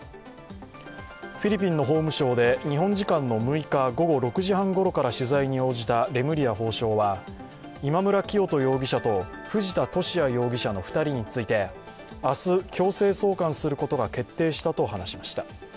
フィリピンの法務省で日本時間の６日午後６時半ごろから取材に応じたレムリヤ法相は今村磨人容疑者と藤田聖也容疑者の２人について明日、強制送還することが決定したと話しました。